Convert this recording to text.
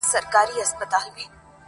رند به په لاسو کي پیاله نه لري-